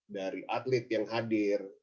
dari atlet yang hadir